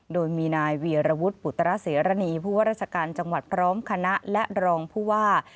โดยมีนายวีรวุฒิปุตรเสรณีผู้ว่าราชการจังหวัดพร้อมคณะและรองผู้ว่า